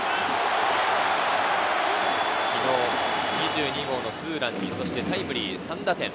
昨日、２２号ツーランとタイムリーで３打点。